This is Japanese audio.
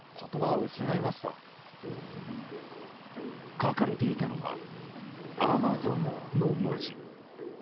書かれていたのは「Ａｍａｚｏｎ」の文字。